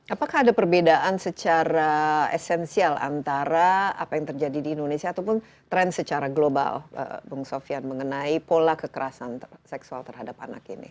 apakah ada perbedaan secara esensial antara apa yang terjadi di indonesia ataupun tren secara global bung sofian mengenai pola kekerasan seksual terhadap anak ini